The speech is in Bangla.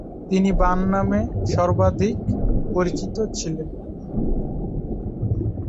তিনি বাণ নামে সমধিক পরিচিত ছিলেন।